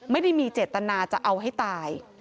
ไม่ได้มีเจตนาจะเอาให้ตาย